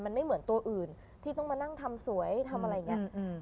มันไม่เหมือนตัวอื่นที่ต้องมานั่งทำสวยทำอะไรอย่างนี้